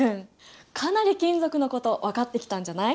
かなり金属のこと分かってきたんじゃない？